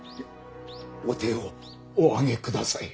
お手をお上げください。